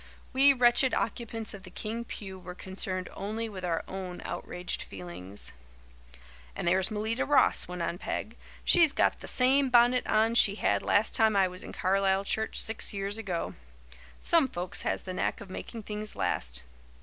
We wretched occupants of the King pew were concerned only with our own outraged feelings. "And there's Melita Ross," went on Peg. "She's got the same bonnet on she had last time I was in Carlisle church six years ago. Some folks has the knack of making things last.